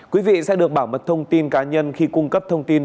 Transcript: quý vị sẽ được bảo mật thông tin cá nhân khi cung cấp thông tin